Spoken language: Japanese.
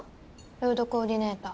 フードコーディネーター。